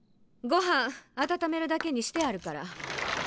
ごはん温めるだけにしてあるから。